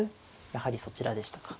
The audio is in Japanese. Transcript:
やはりそちらでしたか。